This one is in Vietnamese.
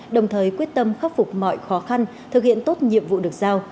đồng thời quyết tâm khắc phục mọi khó khăn thực hiện tốt nhiệm vụ được giao